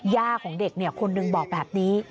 ย่าของเด็กคนหนึ่งบอกแบบนี้